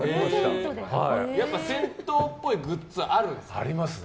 銭湯っぽいグッズあるんですね。